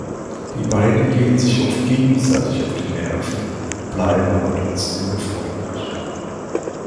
Die beiden gehen sich oft gegenseitig auf die Nerven, bleiben aber trotzdem befreundet.